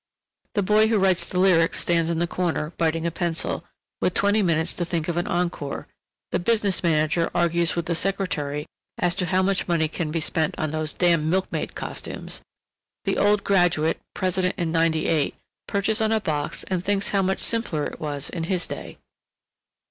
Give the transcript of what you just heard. The boy who writes the lyrics stands in the corner, biting a pencil, with twenty minutes to think of an encore; the business manager argues with the secretary as to how much money can be spent on "those damn milkmaid costumes"; the old graduate, president in ninety eight, perches on a box and thinks how much simpler it was in his day.